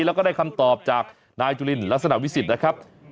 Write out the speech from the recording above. แล้วก็ได้คำตอบจากนายจุลินลักษณะวิสิทธิ์นะครับ